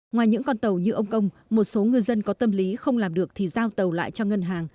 ngoài những con tàu như ông công một số ngư dân có tâm lý không làm được thì giao tàu lại cho ngân hàng